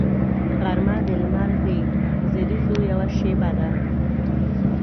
غرمه د لمر د زریزو یوه شیبه ده